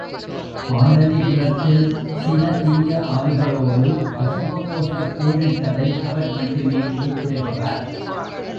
பாடலிபுரத்தில் சில தீய ஆவிகளோடு அசுவகோசர் போரிட்டதை அவர் மட்டுமே குறிப்பிடுகிறார்.